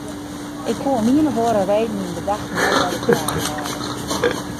Ik koe om ien of oare reden myn gedachten net by de fraach hâlde.